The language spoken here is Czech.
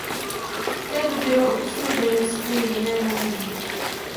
V té době ho opustil Dennis kvůli jinému muži.